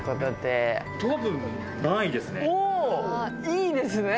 いいですね。